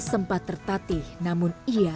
sempat tertatih namun ia